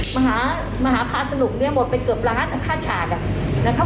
มหามหาภาษนุกเนี้ยหมดไปเกือบล้านแต่ถ้าฉากอ่ะ